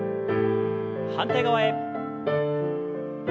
反対側へ。